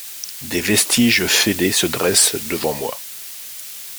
Des vestiges fêlés se dressent devant moi.